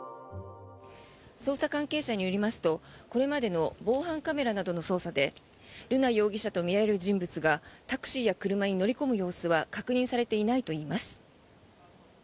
捜査関係者によりますとこれまでの防犯カメラなどの捜査で瑠奈容疑者とみられる人物がタクシーや車に乗り込む様子は確認されていないといいます。